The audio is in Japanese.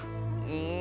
うん。